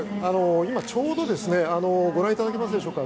今、ちょうどご覧いただけますでしょうか。